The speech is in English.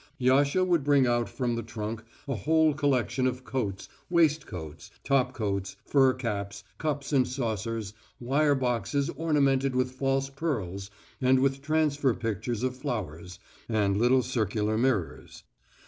Yasha would bring out from the trunk a whole collection of coats, waistcoats, top coats, fur caps, cups and saucers, wire boxes ornamented with false pearls and with transfer pictures of flowers, and little circular mirrors.